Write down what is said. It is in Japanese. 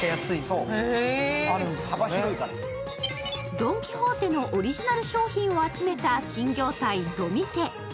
ドン・キホーテのオリジナル商品を集めた新業態、ドミセ。